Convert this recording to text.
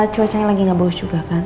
cuacanya lagi gak bagus juga kan